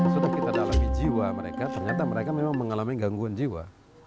sudah kita dalami jiwa mereka ternyata mereka memang mengalami gangguan jiwa